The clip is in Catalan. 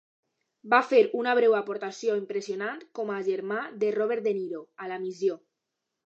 Va fer una breu aportació impressionant com a germà de Robert De Niro a "La Missió".